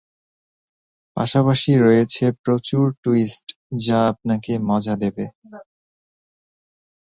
পাশাপাশি রয়েছে প্রচুর টুইস্ট যা আপনাকে মজা দেবে।